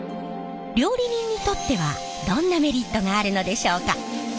料理人にとってはどんなメリットがあるのでしょうか？